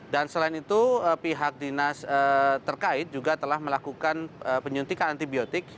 dan selain itu pihak dinas terkait juga telah melakukan penyuntikan antibiotik